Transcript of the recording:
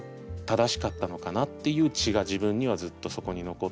正しかったのかなっていう血が自分にはずっとそこに残っていて。